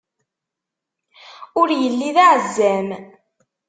Ur illi d aɛezzam!